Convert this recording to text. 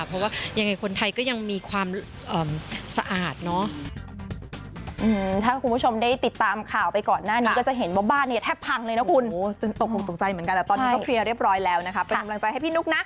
เพราะว่ายังไงคนไทยก็ยังมีความสะอาดเนาะ